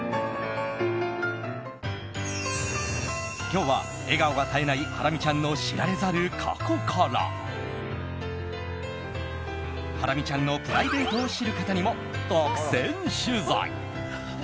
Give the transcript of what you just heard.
今日は笑顔が絶えないハラミちゃんの知られざる過去からハラミちゃんのプライベートを知る方にも独占取材。